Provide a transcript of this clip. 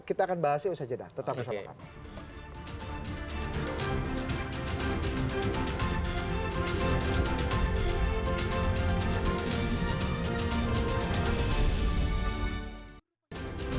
kita akan bahas di usaha jeda tetap bersama kami